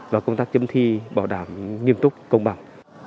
và công tác chấm thi bảo đảm nghiêm túc công bằng